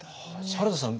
原田さん